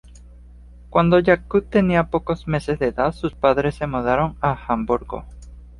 Cuando Jakub tenía pocos meses de edad, sus padres se mudaron a Hamburgo.